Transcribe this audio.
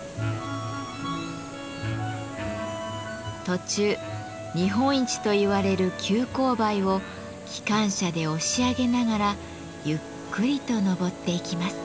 途中日本一といわれる急勾配を機関車で押し上げながらゆっくりと登っていきます。